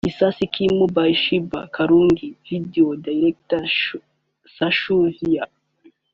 Kisasi Kimu by Sheebah Karungi (Video director Sasha Vybs)